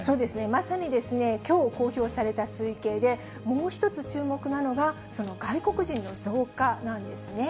まさにきょう公表された推計で、もう一つ注目なのが、その外国人の増加なんですね。